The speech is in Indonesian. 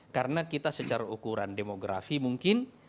karena kita secara ukuran demografi mungkin